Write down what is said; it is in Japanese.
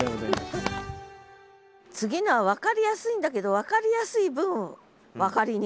次のは分かりやすいんだけど分かりやすい分分かりにくい。